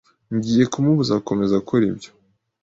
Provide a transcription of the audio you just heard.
Ngiye kumubuza gukomeza gukora ibyo.